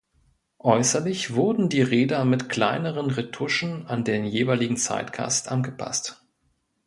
Äußerlich wurden die Räder mit kleineren Retuschen an den jeweiligen Zeitgeist angepasst.